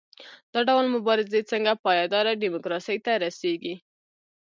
دا ډول مبارزې څنګه پایداره ډیموکراسۍ ته رسیږي؟